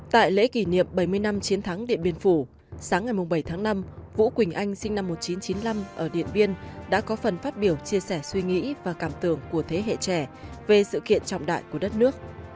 tại lễ kỷ niệm bảy mươi năm chiến thắng điện biên phủ sáng ngày bảy tháng năm vũ quỳnh anh sinh năm một nghìn chín trăm chín mươi năm ở điện biên đã có phần phát biểu chia sẻ suy nghĩ và cảm tưởng của thế hệ trẻ về sự kiện trọng đại của đất nước